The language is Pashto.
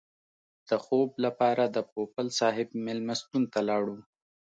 د خوب لپاره د پوپل صاحب مېلمستون ته لاړو.